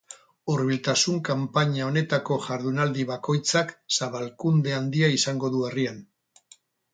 Hurbiltasun kanpaina honetako jardunaldi bakoitzak zabalkunde handia izango du herrian.